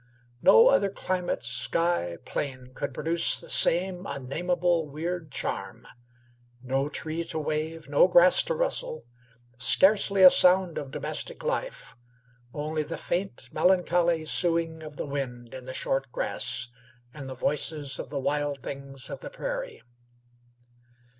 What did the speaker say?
No other climate, sky, plain, could produce the same unnamable weird charm. No tree to wave, no grass to rustle, scarcely a sound of domestic life; only the faint melancholy soughing of the wind in the short grass, and the voices of the wild things of the prairie.